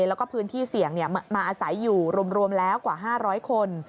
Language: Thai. แล้วก็พื้นที่เสี่ยงมาอาศัยอยู่รวมแล้วกว่า๕๐๐คน